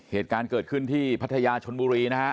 เหตุการณ์เกิดขึ้นที่พัทยาชนบุรีนะฮะ